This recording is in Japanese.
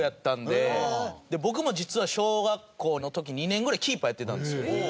で僕も実は小学校の時２年ぐらいキーパーやってたんですよ。